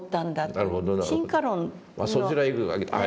あそちらへ行くわけだ。